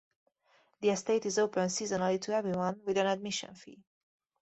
The estate is open seasonally to everyone, with an admission fee.